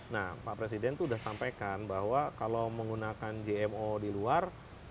nah pak presiden itu sudah sampaikan bahwa kalau menggunakan jmo di luar